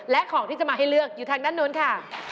และของที่จะมาให้เลือกอยู่ทางด้านนู้นค่ะ